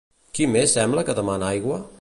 Qui més sembla que demana aigua?